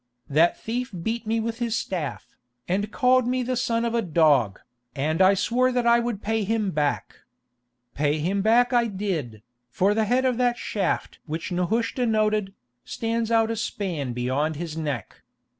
That thief beat me with his staff, and called me the son of a dog, and I swore that I would pay him back. Pay him back I did, for the head of that shaft which Nehushta noted, stands out a span beyond his neck.